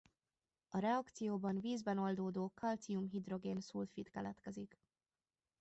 A reakcióban vízben oldódó kalcium-hidrogén-szulfid keletkezik.